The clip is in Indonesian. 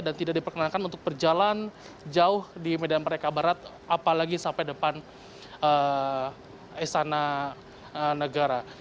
dan tidak diperkenalkan untuk berjalan jauh di medan merdeka barat apalagi sampai depan esana negara